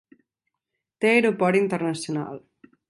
Té aeroport internacional.